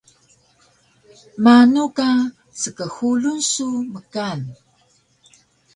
Manu ka skxulun su mkan?